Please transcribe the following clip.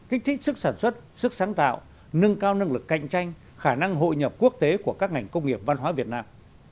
kích thích sức sản xuất sức sáng tạo nâng cao năng lực cạnh tranh khả năng hội nhập quốc tế của các ngành công nghiệp văn hóa việt nam